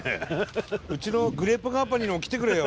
「うちのグレープカンパニーにも来てくれよ」